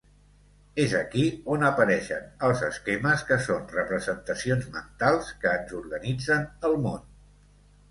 És aquí on apareixen els esquemes que són representacions mentals que ens organitzen el món.